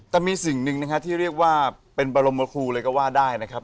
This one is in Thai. แต่มีสิ่งหนึ่งนะฮะที่เรียกว่าเป็นบรมครูเลยก็ว่าได้นะครับ